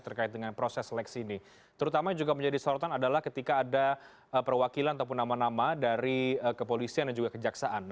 terutama juga menjadi sorotan adalah ketika ada perwakilan ataupun nama nama dari kepolisian dan juga kejaksaan